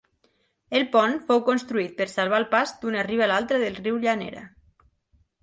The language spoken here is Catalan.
El pont fou construït per salvar el pas d'una riba a l'altra del riu Llanera.